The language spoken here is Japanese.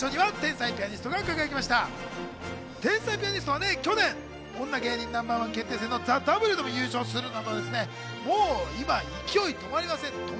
天才ピアニストは去年、『女芸人Ｎｏ．１決定戦ＴＨＥＷ』でも優勝するなど、もう今、勢い止まりません。